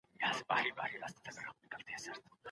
ترکمنستان د بې طرفۍ د سیاست له مخې څه دریځ لري؟